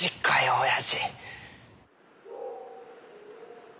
おやじ。